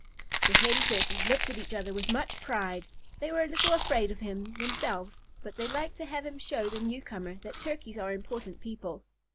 The Hen Turkeys looked at each other with much pride. They were a little afraid of him themselves, but they liked to have him show the newcomer that Turkeys are important people.